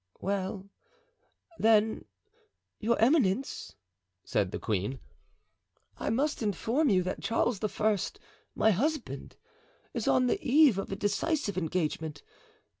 "Well, then, your eminence," said the queen, "I must inform you that Charles I., my husband, is on the eve of a decisive engagement.